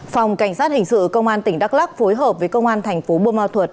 phòng cảnh sát hình sự công an tỉnh đắk lắc phối hợp với công an tp bộ ma thuật